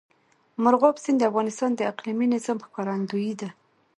مورغاب سیند د افغانستان د اقلیمي نظام ښکارندوی ده.